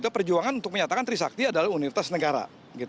perjuangan untuk menyatakan trisakti adalah universitas negara